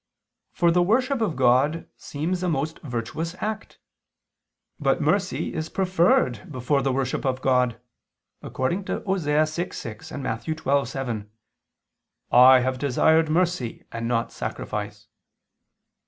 For the worship of God seems a most virtuous act. But mercy is preferred before the worship of God, according to Osee 6:6 and Matt. 12:7: "I have desired mercy and not sacrifice."